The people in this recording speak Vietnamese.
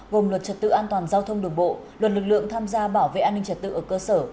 gồm luật trật tự an toàn giao thông đường bộ luật lực lượng tham gia bảo vệ an ninh trật tự ở cơ sở